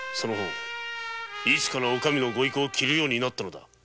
いつからお上のご威光をきるようになったのだ？